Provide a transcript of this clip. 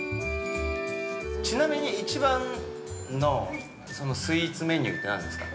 ◆ちなみに一番のスイーツメニューって何ですか。